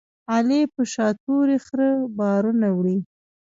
علي په شاتوري خره بارونه وړي.